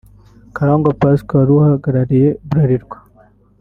Karangwa Pascal wari uhagarariye Bralirwa